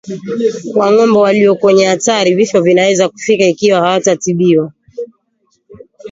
Kwa ng'ombe walio kwenye hatari vifo vinaweza kufika ikiwa hawatatibiwa